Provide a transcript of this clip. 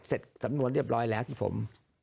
สำนวนเรียบร้อยแล้วที่ผม